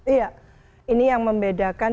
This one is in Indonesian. iya ini yang membedakan